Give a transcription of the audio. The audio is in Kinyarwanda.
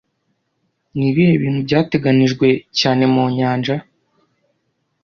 Nibihe bintu byateganijwe cyane mu nyanja